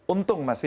untung mas fitri